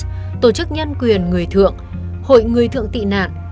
các tổ chức nhân quyền người thượng hội người thượng tị nạn